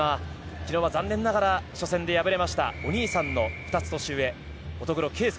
昨日は残念ながら初戦で敗れましたお兄さんの２つ年上乙黒圭祐